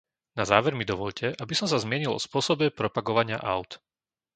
Na záver mi dovoľte, aby som sa zmienil o spôsobe propagovania áut.